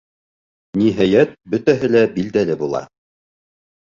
Ниһайәт, бөтәһе лә билдәле була.